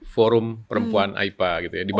forum perempuan aipa gitu ya